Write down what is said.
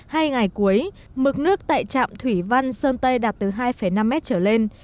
hai ngày cuối mực nước tại trạm thủy văn sơn tây đạt từ hai năm mét trở lên